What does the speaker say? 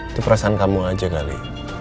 itu perasaan kamu aja kali